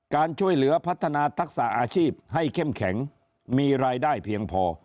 การช่วยเหลือพัฒนาทักษะอาชีพให้เข้มแข็งมีรายได้เพียงพอ